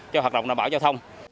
cho hoạt động đảm bảo giao thông